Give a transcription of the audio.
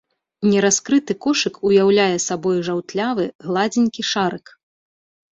Нераскрыты кошык уяўляе сабой жаўтлявы, гладзенькі шарык.